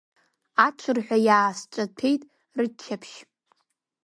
Аҽырҳәа иаасҿаҭәеит рыччаԥшь.